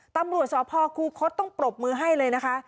ตำรวจสพคูคศต้องปรบมือให้เลยนะคะ